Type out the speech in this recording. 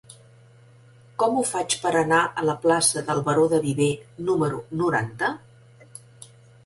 Com ho faig per anar a la plaça del Baró de Viver número noranta?